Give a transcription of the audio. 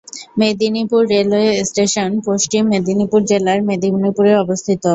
Medinipur railway station Paschim Medinipur জেলার মেদিনীপুরে অবস্থিত।